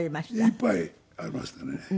いっぱいありましたね。